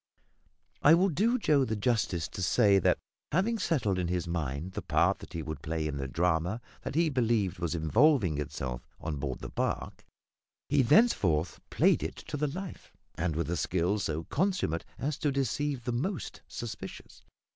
I will do Joe the justice to say that, having settled in his mind the part that he would play in the drama that he believed was evolving itself on board the barque, he thenceforth played it to the life, and with a skill so consummate as to deceive the most suspicious.